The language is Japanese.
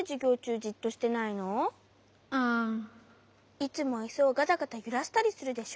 いつもイスをガタガタゆらしたりするでしょ？